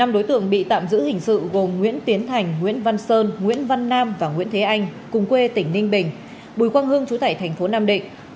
năm đối tượng bị tạm giữ hình sự gồm nguyễn tiến thành nguyễn văn sơn nguyễn văn nam và nguyễn thế anh cùng quê tỉnh ninh bình bùi quang hương chủ tải tp nam định